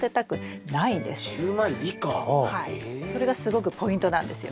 はいそれがすごくポイントなんですよ。